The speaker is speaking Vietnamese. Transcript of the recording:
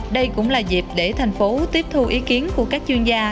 đây cũng là dịp để thành phố tiếp thu ý kiến của các chuyên gia